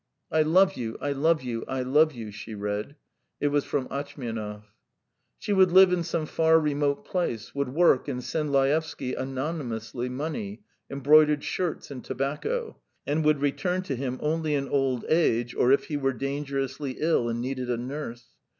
"I love you, I love you, I love you," she read. It was from Atchmianov. She would live in some far remote place, would work and send Laevsky, "anonymously," money, embroidered shirts, and tobacco, and would return to him only in old age or if he were dangerously ill and needed a nurse.